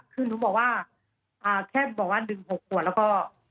คือหนูบอกว่าแค่บอกว่าดึง๖ขวดแล้วก็